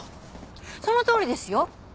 そのとおりですよ。